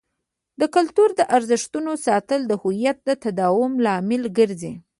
د کلتور د ارزښتونو ساتل د هویت د تداوم لامل ګرځي.